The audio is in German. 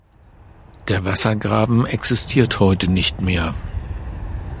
Der Wassergraben existiert heute nicht mehr.